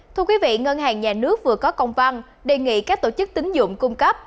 thưa quý vị ngân hàng nhà nước vừa có công văn đề nghị các tổ chức tính dụng cung cấp